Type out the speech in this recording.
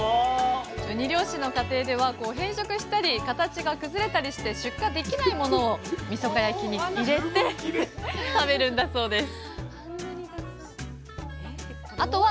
⁉ウニ漁師の家庭では変色したり形が崩れたりして出荷できないものをみそ貝焼きに入れて食べるんだそうです。